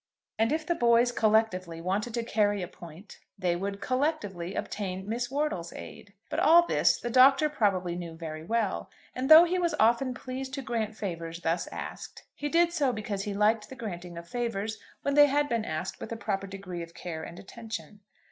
And if the boys collectively wanted to carry a point, they would "collectively" obtain Miss Wortle's aid. But all this the Doctor probably knew very well; and though he was often pleased to grant favours thus asked, he did so because he liked the granting of favours when they had been asked with a proper degree of care and attention.